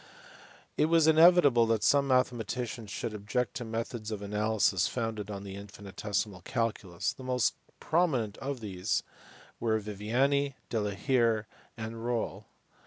It was inevitable that some mathematicians should object to methods of analysis founded on the infinitesimal calculus. The most prominent of these were Viviani, De la Hire, and Rolle.